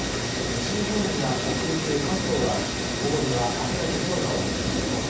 西日本や北陸、関東は午後には雨の所が多くなりそうです。